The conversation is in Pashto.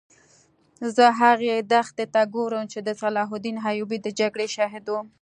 زه هغې دښتې ته ګورم چې د صلاح الدین ایوبي د جګړې شاهده وه.